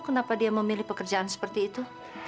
kenapa dia memilih pekerjaan seperti itu